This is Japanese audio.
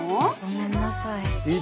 ごめんなさい。